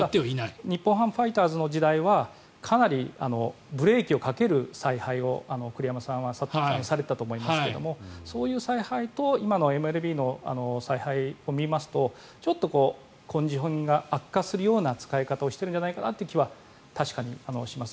日本ハムファイターズの時代はかなりブレーキをかける采配を栗山さんはされてたと思いますがそういう采配と今のＭＬＢの采配を見ますとちょっとコンディショニングが悪化するような使い方をしているんじゃないかなという気は確かにします。